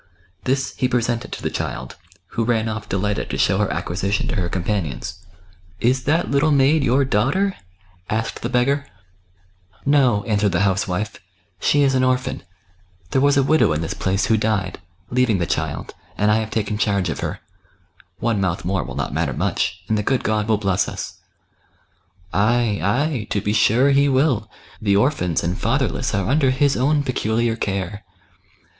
This he presented to the child, who ran oflF delighted to show her acquisition to her companions. " Is that little maid your daughter ?" asked the beggar. A GAUCIAN WERE WOLF. 243 " No," answered the house wife, she is an orphan ; there was a widow in this place who died, leaving the child, and I have taken charge of her; one mouth more will not matter much, and the good God will bless us." " Ay, ay ! to be sure He will ; the orphans and fatherless are under His own peculiar care."